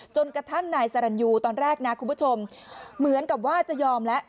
จนกระทั่งนายสรรยูตอนแรกนะคุณผู้ชมเหมือนกับว่าจะยอมแล้ว